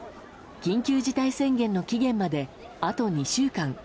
緊急事態宣言の期限まであと２週間。